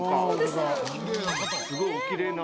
すごいおきれいな。